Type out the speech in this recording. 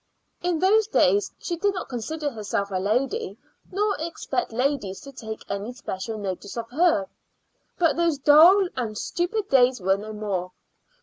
In those days she did not consider herself a lady, nor expect ladies to take any special notice of her. But those dull and stupid days were no more.